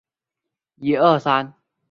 曾任中国人民志愿军炮兵司令员。